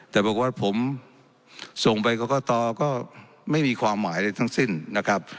แต่บอกว่าผมส่งไปกรกตก็ไม่มีความหมายอะไรทั้งสิ้นนะครับ